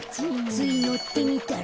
ついのってみたら。